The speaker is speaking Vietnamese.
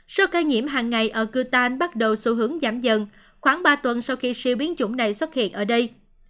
số ca nhiễm hàng ngày ở kutan bắt đầu xu hướng giảm dần khoảng ba tuần sau khi siêu biến chủng này xuất hiện ở đây